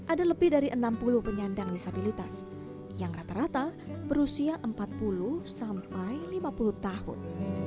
ada lebih dari enam puluh penyandang disabilitas yang rata rata berusia empat puluh sampai lima puluh tahun